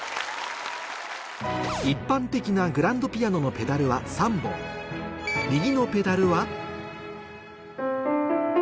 一般的なグランドピアノのペダルは３本右のペダルは